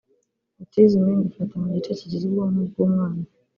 Autism ngo ifata mu gice kigize ubwonko bw’umwana